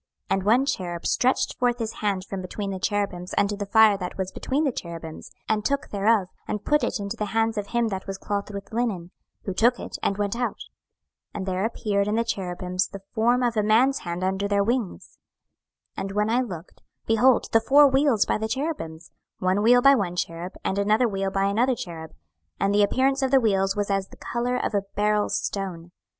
26:010:007 And one cherub stretched forth his hand from between the cherubims unto the fire that was between the cherubims, and took thereof, and put it into the hands of him that was clothed with linen: who took it, and went out. 26:010:008 And there appeared in the cherubims the form of a man's hand under their wings. 26:010:009 And when I looked, behold the four wheels by the cherubims, one wheel by one cherub, and another wheel by another cherub: and the appearance of the wheels was as the colour of a beryl stone.